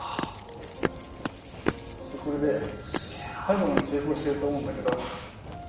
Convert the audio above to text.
多分成功してると思うんだけど。